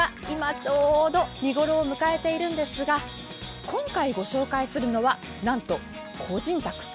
今ちょうど見頃を迎えているんですが今回御紹介するのはなんと個人宅。